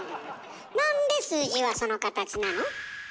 なんで数字はその形なの？